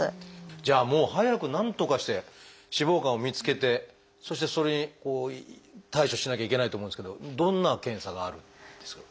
じゃあもう早くなんとかして脂肪肝を見つけてそしてそれを対処しなきゃいけないと思うんですけどどんな検査があるんですか？